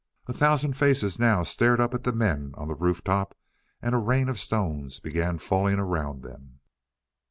A thousand faces now stared up at the men on the roof top and a rain of stones began falling around them.